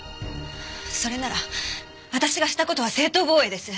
それなら私がした事は正当防衛です！